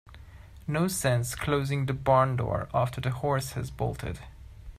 No sense closing the barn door after the horse has bolted.